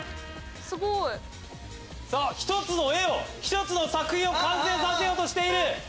すごい！１つの絵を１つの作品を完成させようとしている！